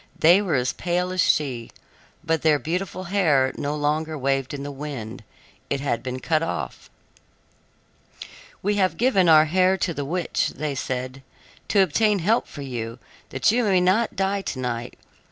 They were as pale as she, but their beautiful hair no longer waved in the wind; it had been cut off. "We have given our hair to the witch," said they, "to obtain help for you, that you may not die to night.